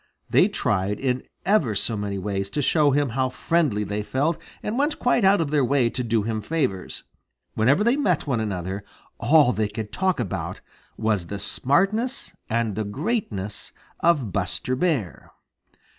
They tried in ever so many ways to show him how friendly they felt and went quite out of their way to do him favors. Whenever they met one another, all they could talk about was the smartness and the greatness of Buster Bear.